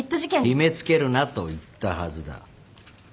決め付けるなと言ったはずだ。